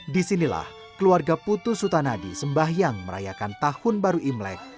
disinilah keluarga putu sutanadi sembahyang merayakan tahun baru imlek